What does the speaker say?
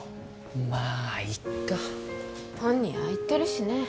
まあいっか本人ああ言ってるしね